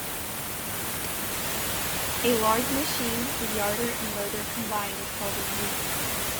A large machine with a yarder and loader combined is called a unit.